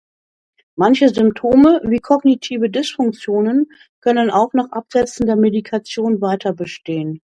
Manche Symptome wie kognitive Dysfunktionen können auch nach Absetzen der Medikation weiterbestehen.